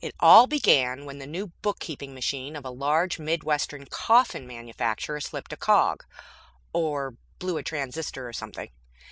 It all began when the new bookkeeping machine of a large Midwestern coffin manufacturer slipped a cog, or blew a transistor, or something.